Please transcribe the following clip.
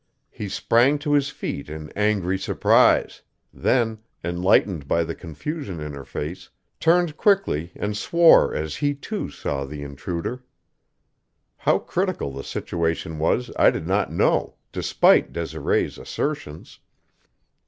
He sprang to his feet in angry surprise; then, enlightened by the confusion in her face, turned quickly and swore as he, too, saw the intruder. How critical the situation was I did not know, despite Desiree's assertions.